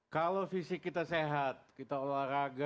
kalau fisik kita sehat kita olahraga